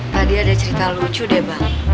tadi ada cerita lucu deh bang